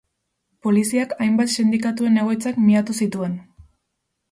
Poliziak hainbat sindikatuen egoitzak miatu zituen.